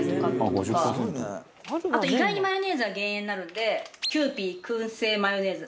あと意外にマヨネーズは減塩になるのでキユーピー燻製マヨネーズ。